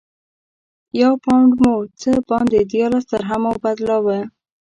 یو پونډ مو په څه باندې دیارلس درهمو بدلاوه.